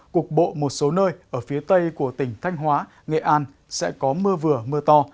cục bộ một số nơi ở phía tây của tỉnh thanh hóa nghệ an sẽ có mưa vừa mưa to